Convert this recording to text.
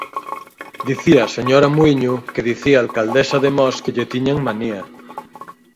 Dicía a señora Muíño que dicía a alcaldesa de Mos que lle tiñan manía.